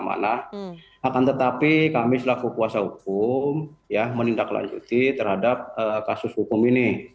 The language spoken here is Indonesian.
akan tetapi kami selaku kuasa hukum menindaklanjuti terhadap kasus hukum ini